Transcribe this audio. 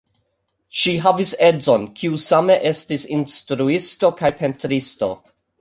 Ŝi havis edzon, kiu same estis instruisto kaj pentristo.